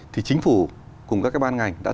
thì chính phủ cùng các cái ban ngành đã